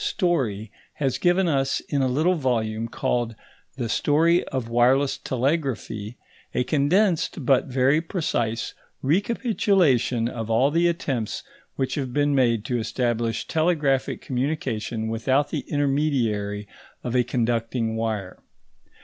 Story has given us in a little volume called The Story of Wireless Telegraphy, a condensed but very precise recapitulation of all the attempts which have been made to establish telegraphic communication without the intermediary of a conducting wire.